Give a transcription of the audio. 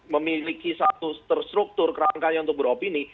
memiliki satu terstruktur kerangkanya untuk beropini